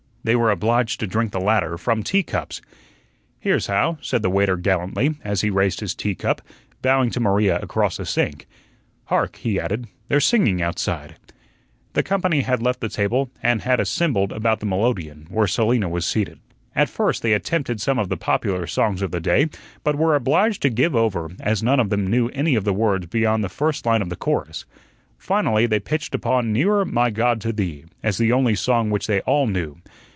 They were obliged to drink the latter from teacups. "Here's how," said the waiter gallantly, as he raised his tea cup, bowing to Maria across the sink. "Hark," he added, "they're singing inside." The company had left the table and had assembled about the melodeon, where Selina was seated. At first they attempted some of the popular songs of the day, but were obliged to give over as none of them knew any of the words beyond the first line of the chorus. Finally they pitched upon "Nearer, My God, to Thee," as the only song which they all knew.